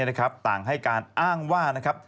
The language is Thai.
พักต่างให้การอ้างว่า